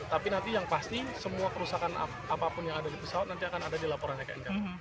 tapi nanti yang pasti semua kerusakan apapun yang ada di pesawat nanti akan ada di laporannya